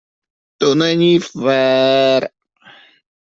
To není fér!